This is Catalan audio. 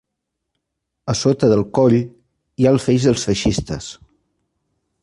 A sota del coll hi ha el feix dels feixistes.